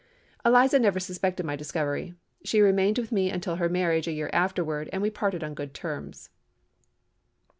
"Eliza never suspected my discovery. She remained with me until her marriage a year afterward, and we parted upon good terms."